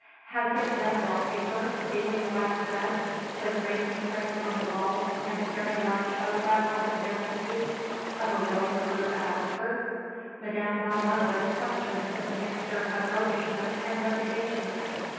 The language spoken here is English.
"Has it red wall paper, sealing wax red; with racing prints on the walls and a very large photograph over the mantelpiece of a rowing crew at Oxford?" Madame von Marwitz questioned with a mixture of roguishness and resignation.